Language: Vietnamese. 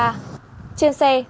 trên xe tổ công tác